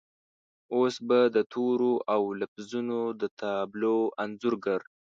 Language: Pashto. اوس به د تورو او لفظونو د تابلو انځورګر